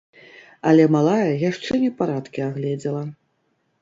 Але малая яшчэ непарадкі агледзела.